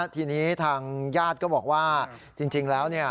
ทีนี้ทางญาติก็บอกว่าจริงแล้วเนี่ย